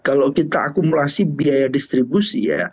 kalau kita akumulasi biaya distribusi